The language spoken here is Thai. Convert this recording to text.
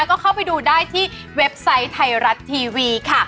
ก็เข้าไปดูได้ที่เว็บไซต์ไทยรัฐทีวีค่ะ